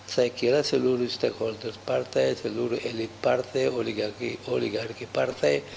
saya kira seluruh stakeholders partai seluruh elit partai oligarki partai